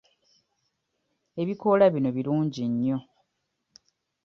Ebikoola bino birungi nnyo